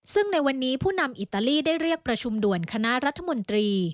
ซึ่งในวันนี้ผู้นำอิตาลีได้เรียกประชุมด่วนคณะรัฐมนตรี